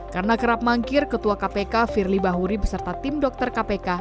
karena kerap mangkir ketua kpk firly bahuri beserta tim dokter kpk